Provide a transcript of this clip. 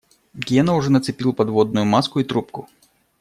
Гена уже нацепил подводную маску и трубку.